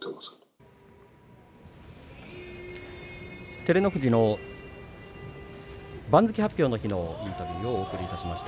照ノ富士の番付発表の日のインタビューをお送りしました。